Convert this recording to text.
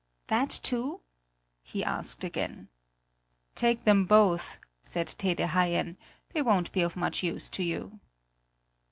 "That too?" he asked again. "Take them both!" said Tede Haien; "they won't be of much use to you."